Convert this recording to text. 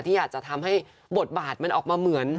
ที่อาจจะทำให้บทบาทมันออกมาเหมือน